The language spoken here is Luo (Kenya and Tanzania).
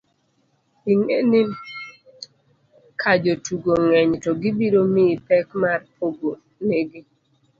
ing'e ni kajotugo ng'eny to gibiro miyi pek mar pogo nigi